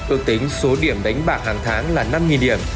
ước tính số điểm đánh bạc hàng tháng là năm điểm